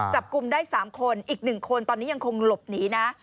จับกลุ่มได้๓คนอีก๑คนตอนนี้ยังคงหลบหนีนะ